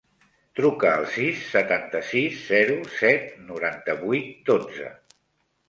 Truca al sis, setanta-sis, zero, set, noranta-vuit, dotze.